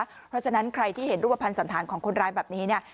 เพราะฉะนั้นใครที่เห็นรูปภัณฑ์สันธารของคนร้ายแบบนี้เนี่ย